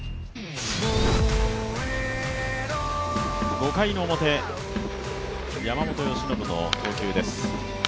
５回表、山本由伸の投球です。